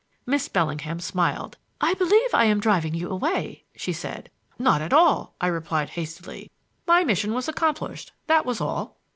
Miss Bellingham smiled. "I believe I am driving you away," she said. "Not at all," I replied hastily. "My mission was accomplished, that was all."